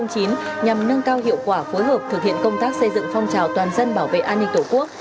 nhằm nâng cao hiệu quả phối hợp thực hiện công tác xây dựng phong trào toàn dân bảo vệ an ninh tổ quốc